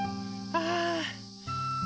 ああ！